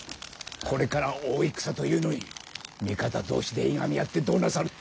これから大戦というのに味方同士でいがみ合ってどうなさる。